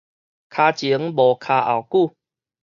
跤前無跤後久-